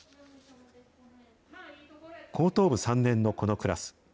高等部３年のこのクラス。